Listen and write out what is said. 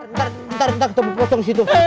ntar ntar ntar ketemu pocong disitu